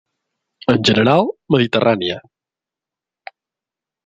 En general, mediterrània.